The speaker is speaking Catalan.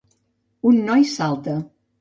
Un noi salta.